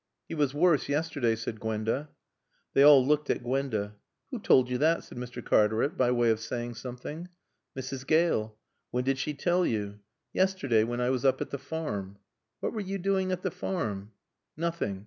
"He was worse yesterday," said Gwenda. They all looked at Gwenda. "Who told you that?" said Mr. Cartaret by way of saying something. "Mrs. Gale." "When did she tell you?" "Yesterday, when I was up at the farm." "What were you doing at the farm?" "Nothing.